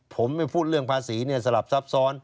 ผมไม่พูดเรื่องภาษีเนี่ยสลับซับซ้อน